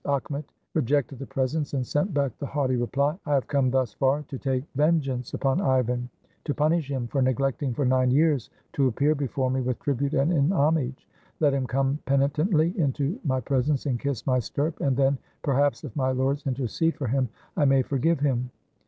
Akhmet rejected the presents, and sent back the haughty reply: — "I have come thus far to take vengeance upon Ivan; to punish him for neglecting for nine years to appear be fore me with tribute and in homage. Let him come peni tently into my presence and kiss my stirrup, and then, perhaps, if my lords intercede for him, Imay forgive him.